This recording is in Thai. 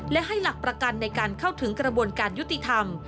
และให้หลักประกันในการเข้าถึงกระบวนการยุติธรรม